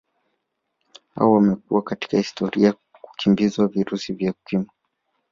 Au wamekuwa katika hatari ya kuambukizwa virusi vya Ukimwi